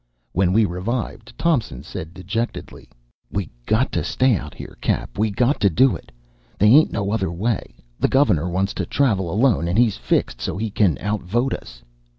When we revived, Thompson said dejectedly, "We got to stay out here, Cap. We got to do it. They ain't no other way. The Governor wants to travel alone, and he's fixed so he can outvote us."